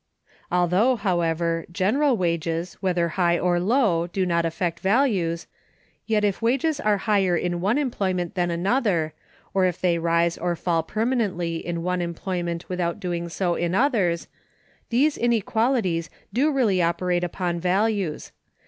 Although, however, general wages, whether high or low, do not affect values, yet if wages are higher in one employment than another, or if they rise or fall permanently in one employment without doing so in others, these inequalities do really operate upon values.